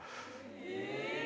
え。